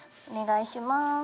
お願いします。